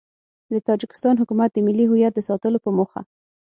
د تاجیکستان حکومت د ملي هویت د ساتلو په موخه